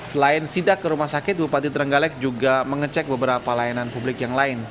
selain sidak ke rumah sakit bupati trenggalek juga mengecek beberapa layanan publik yang lain